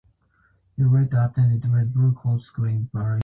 He later attended Reading Blue Coat School in Berkshire.